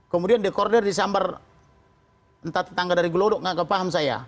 kemudian dekorder disambar entah tetangga dari gelodok nggak kepaham saya